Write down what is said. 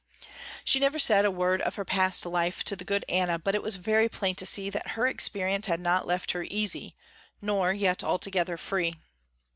She never said a word of her past life to the good Anna, but it was very plain to see that her experience had not left her easy, nor yet altogether free.